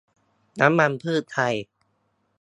น้ำมันพืชไทย